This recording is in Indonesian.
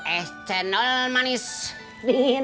eh cendol manis dingin